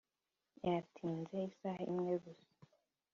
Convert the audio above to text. yatinze isaha imwe gusa.